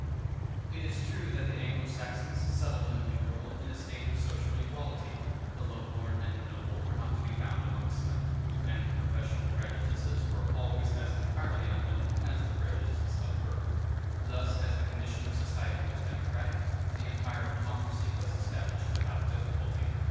] It is true that the Anglo Saxons settled in the New World in a state of social equality; the low born and the noble were not to be found amongst them; and professional prejudices were always as entirely unknown as the prejudices of birth. Thus, as the condition of society was democratic, the empire of democracy was established without difficulty.